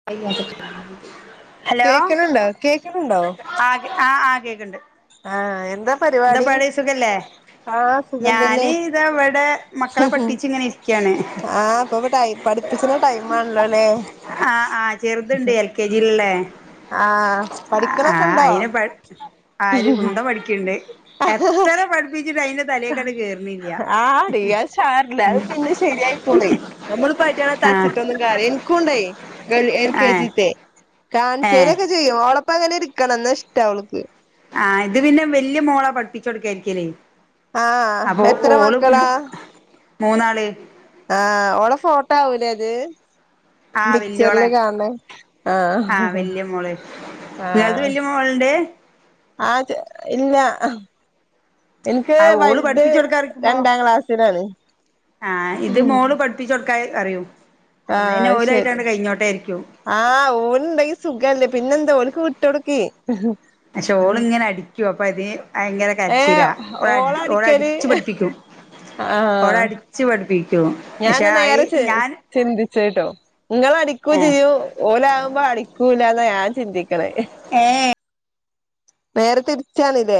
[inaudible] കേക്ക്ണുണ്ടൊ കേക്ക്ണുണ്ടൊ ആകെ ആഹ് ആഹ് കേക്ക്ൺണ്ട് ആഹ് എന്ത എന്താ പാട് സുഖല്ലെ സുഖം തന്നെ ഞാന് ഇത ഇവടെ മക്കളെ പഠിപ്പിച്ച് ഇങ്ങന ഇരിക്ക്യാണ് പഠിപ്പിച്ച്ണ ടൈമാൺലലെ ആഹ് ആഹ് ചെറുത്ണ്ട് എൽ കെ ജീല് ലേ ആഹ് പഠിക്കണൊക്കെ ആഹ് ഉണ്ടോ അയിന് പ ആര് കുന്തം പഠിക്ക്ൺണ്ട് എത്ര പഠിപ്പിച്ചിട്ട് അയി ആടീ അയ് ശാരല്ല അയ് പിന്ന ശരിയായ്ക്കോളൊ നമ്മള് പറ്റണ ആ തച്ചിട്ടൊ ഒന്നും കയറി എനിക്കുംണ്ടായി എൽ കെ ഏ ജീത്തെ ഏ കാൺസേനയൊക്കെ ചെയ്യും ളപ്പ അങ്ങനെ ഇരിക്കണം എന്നന്നാ ഇഷ്ട അവൾക്ക് ആഹ ഇത് പിന്നെ വല്യ മോള പഠട്ടിച്ച കൊടുക്കായിരിക്കല്ലേ ആഹ് അപ്പൊ എത്ര ഓള്ക്ക് മക്കളാ മൂന്നാള് ആഹ് ഓള ഫോട്ടോ ആവൂലേ അത് ആ വല്യോളെ പിക്ചറില് കാണ ആ ആഹ ആഹ ഉണ്ട് അത് ഇല്ല എനിക്ക് ആ ഓള് വഴുത് പഠിപ്പിച്ചു രണ്ടാം ക്ലാസ്സിലാണ് ആഹ ഇത് മോള് പഠിപ്പിച്ചച്ച് കൊടുക്കാ അറിയൂ ആഹ് അപ്പൊന്ത അത് ശരി ഓലായിട്ട്ണ്ട് കഴഞ്ഞോട്ടേ ആരിക്കും ആഹ് ഓന ഇണ്ടാക്കി സുഖല്ലേ പിന്നെ എന്താ ഓലക്ക് വിട്ടോടക്കി ഷോള് ഇങ്ങനെ അടിക്കും അപ്പൊ അത് ഭയങ്കര ഏഹ് കരച്ചീരാഓ ഓടെ ഓളടിക്കല് അടിച്ചു പഠിപ്പിക്കും ഓട അടിച്ചു പഠിപ്പിക്കും പക്ഷെ ഞാനാ അയി നേരെ ച ഞാൻ ചിന്തിച്ച കേട്ടോ നിങ്ങ അടിക്ക ഏഹ് ചെയ്യൂ ഓലാകുമ്പോ അടിക്കൂല്ലന്ന് ഞാൻ ചിന്തിക്കണേ ഏഹ നേരെ തിരിച്ചണല്ലേ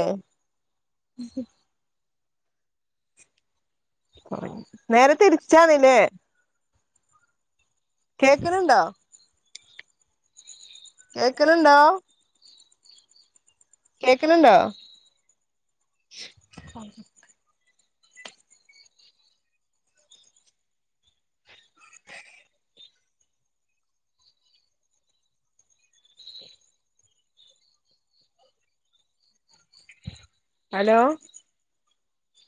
നേര തിരിച്ചാ നല്ലെ കേൾക്കുന്നുണ്ടോ കേക്കലണ്ടോ? കേക്കണണ്ടോ? ഹലോ